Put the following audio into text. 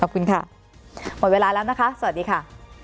หมดเวลาแล้วนะคะสวัสดีค่ะ